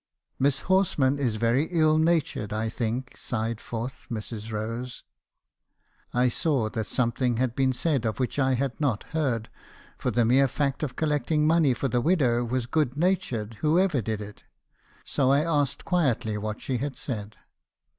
"'Miss Horsman is very ill natured, I think,' sighed forth Mrs. Rose. 19* 232 fait. HABMSOn's CONFESSIONS. "I saw that something had been said of which I had not heard , for the mere fact of collecting money for the widow was good natured, whoever did it; so I asked quietly what she had said.